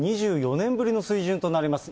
２４年ぶりの水準となります